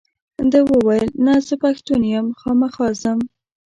ده وویل نه زه پښتون یم خامخا ځم.